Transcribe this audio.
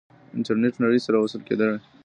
انټرنیټ نړۍ سره وصل کړې ده.